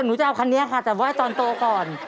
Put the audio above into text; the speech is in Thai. หนูจะเอาคันนี้ค่ะแต่ว่าตอนโตก่อน